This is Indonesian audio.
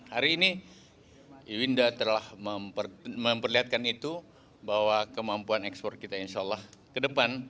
hari ini winda telah memperlihatkan itu bahwa kemampuan ekspor kita insya allah ke depan